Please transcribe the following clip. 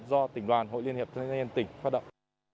do tỉnh đoàn hội liên hiệp thanh niên tỉnh phát động